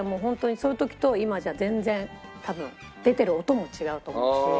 そういう時と今じゃ全然多分出てる音も違うと思うし。